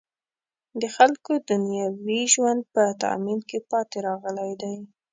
د خلکو دنیوي ژوند په تأمین کې پاتې راغلی دی.